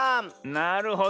なるほど。